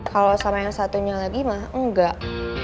kalau sama yang satunya lagi mah enggak